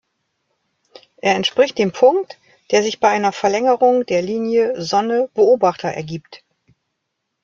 Er entspricht dem Punkt, der sich bei einer Verlängerung der Linie Sonne-Beobachter ergibt.